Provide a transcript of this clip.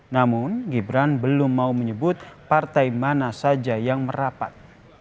namun gibran belum mau menyebut partai mana saja yang merapat